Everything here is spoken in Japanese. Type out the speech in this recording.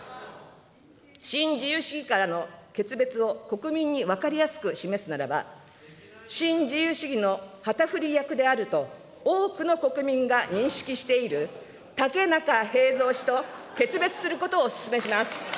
新自由主義からの決別を国民に分かりやすく示すならば、新自由主義の旗振り役であると多くの国民が認識している竹中平蔵氏と決別することをお勧めします。